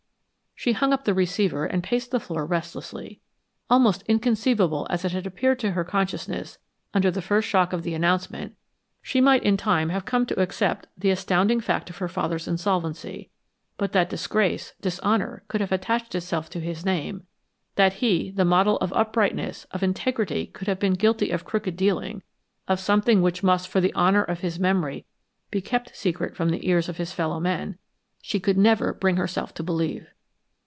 She hung up the receiver and paced the floor restlessly. Almost inconceivable as it had appeared to her consciousness under the first shock of the announcement, she might in time have come to accept the astounding fact of her father's insolvency, but that disgrace, dishonor, could have attached itself to his name that he, the model of uprightness, of integrity could have been guilty of crooked dealing, of something which must for the honor of his memory be kept secret from the ears of his fellow men, she could never bring herself to believe.